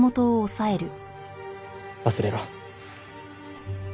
忘れろ。